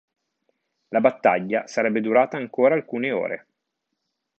La battaglia sarebbe durata ancora alcune ore.